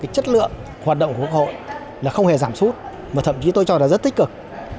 chất lượng hoạt động của quốc hội không hề giảm suốt thậm chí tôi cho là rất tích cực